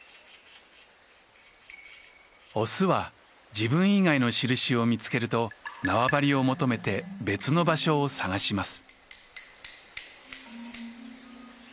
オスは自分以外のしるしを見つけると縄張りを求めて別の場所を探します。